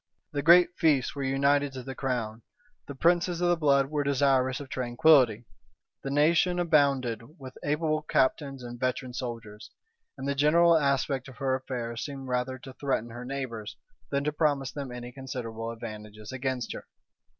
The great fiefs were united to the crown; the princes of the blood were desirous of tranquillity; the nation abounded with able captains and veteran soldiers; and the general aspect of her affairs seemed rather to threaten her neighbors, than to promise them any considerable advantages against her.